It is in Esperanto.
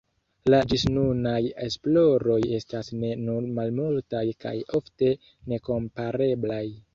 La ĝisnunaj esploroj estas ne nur malmultaj kaj ofte nekompareblaj.